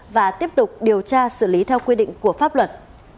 và tiếp tục điều tra xử lý theo quy định của pháp luật